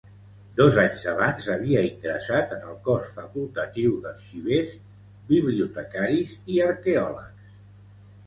Dos anys abans havia ingressat en el Cos Facultatiu d'Arxivers, Bibliotecaris i Arqueòlegs.